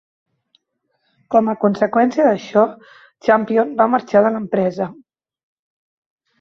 Com a conseqüència d'això, Champion va marxar de l'empresa.